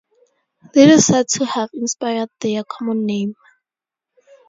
This is said to have inspired their common name.